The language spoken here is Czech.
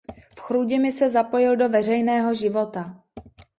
V Chrudimi se zapojil do veřejného života.